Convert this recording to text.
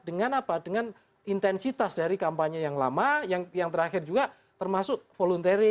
dengan apa dengan intensitas dari kampanye yang lama yang terakhir juga termasuk voluntary